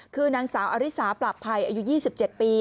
คือนางสาวอริสาปราบภัยอายุ๒๗ปี